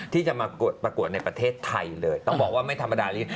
ที่จะมาประกวดในประเทศไทยเลยต้องบอกว่าไม่ธรรมดานี้